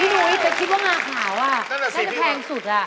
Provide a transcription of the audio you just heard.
พี่นุ้ยจะคิดว่างาขาวน่ะแพงสุด